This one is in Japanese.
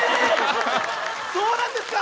そうなんですか？